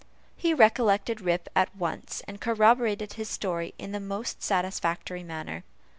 He recollected Rip at once, and corroborated his story in the most satisfactory manner.